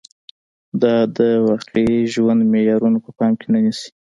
دا د واقعي ژوند معيارونه په پام کې نه نیسي